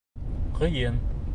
Ҡыйын.